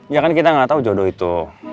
ya kan kita gak tau jodoh itu